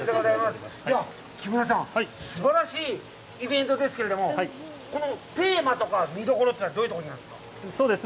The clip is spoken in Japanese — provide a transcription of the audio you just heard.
木村さん、すばらしいイベントですけれども、このテーマとか、見どころというのはどういうところですか。